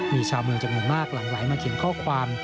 มีชาวเมืองจำนวนมากหลั่งไหลมาเขียนข้อความ